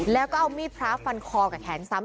แล้วก็เอามีดพร้าพฟันคอกับแขนทั้งครั้ง